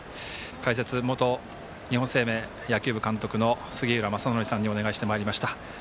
解説、元日本生命野球部監督の杉浦正則さんにお願いしてまいりました。